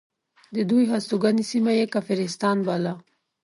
د دوی هستوګنې سیمه یې کافرستان باله.